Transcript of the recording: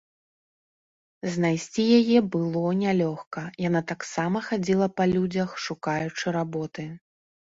Знайсці яе было нялёгка, яна таксама хадзіла па людзях, шукаючы работы.